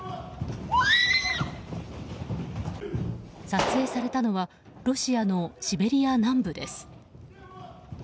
撮影されたのはロシアのシベリア南部です。